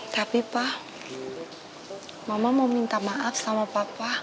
tapi pak mama mau minta maaf sama papa